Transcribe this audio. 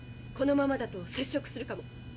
このままだと接しょくするかも。